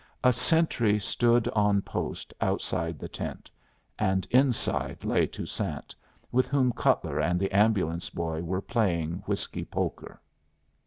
A sentry stood on post outside the tent, and inside lay Toussaint, with whom Cutler and the ambulance boy were playing whiskey poker.